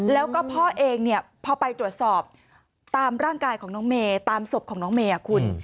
แล้วก็พ่อเองเนี่ยพอไปตรวจสอบตามร่างกายของน้องเมย์ตามศพของน้องเมย์คุณ